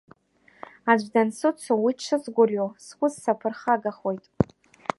Аӡә дансыцу уи дшысгәырҩо сус саԥырхагахоит!